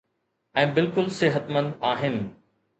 ۽ بلڪل صحتمند آهن.